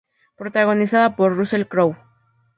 Protagonizada por Russell Crowe.